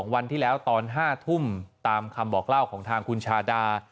วันที่แล้วตอน๕ทุ่มตามคำบอกเล่าของทางคุณชาดา